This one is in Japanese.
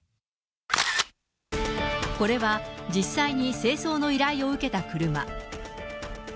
これは、実際に清掃の依頼を受けた車。